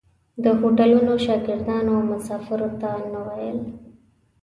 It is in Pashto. د هوټلو شاګردانو مسافرو ته نه ویل.